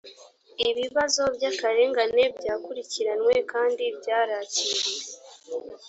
ibibazo by’akarengane byakurikiranywe kandi byarakiriwe